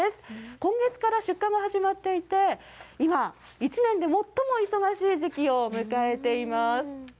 今月から出荷が始まっていて、今、一年で最も忙しい時期を迎えています。